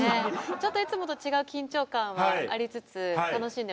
ちょっといつもと違う緊張感はありつつ楽しんでます。